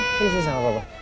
gimana sih sama bapak